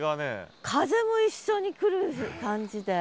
風も一緒に来る感じで。